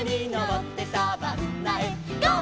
「ゴー！